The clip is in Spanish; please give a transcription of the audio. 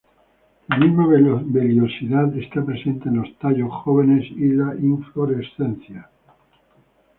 La misma vellosidad está presente en los tallos jóvenes y las inflorescencias.